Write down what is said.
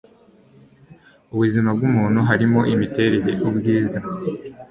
ubuzima bw umuntu harimo imiterere ubwiza